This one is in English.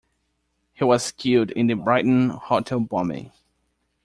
He was killed in the Brighton hotel bombing.